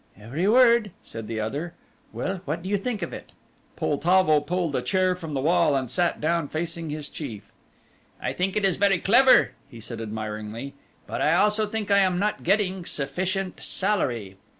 "Every word," said the other. "Well, what do you think of it?" Poltavo pulled a chair from the wall and sat down facing his chief. "I think it is very clever," he said admiringly, "but I also think I am not getting sufficient salary."